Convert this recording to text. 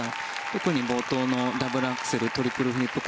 特に冒頭のダブルアクセルトリプルフリップ